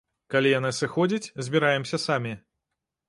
Калі яна сыходзіць, збіраемся самі.